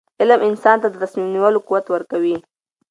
علم انسان ته د تصمیم نیولو قوت ورکوي.